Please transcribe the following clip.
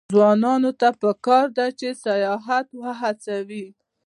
ځوانانو ته پکار ده چې، سیاحت هڅوي.